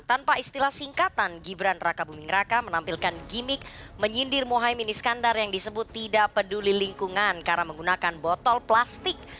tanpa istilah singkatan gibran raka buming raka menampilkan gimmick menyindir mohaimin iskandar yang disebut tidak peduli lingkungan karena menggunakan botol plastik